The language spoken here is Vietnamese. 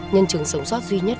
nhân chứng sống sót duy nhất